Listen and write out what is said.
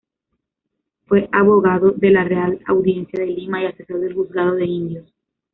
Fue abogado de la Real Audiencia de Lima y asesor del Juzgado de Indios.